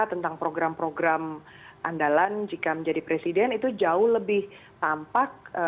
tentang program program andalan jika menjadi presiden itu jauh lebih tampak